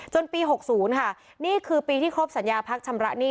ปี๖๐ค่ะนี่คือปีที่ครบสัญญาพักชำระหนี้